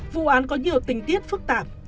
vụ án có nhiều tình tiết phức tạp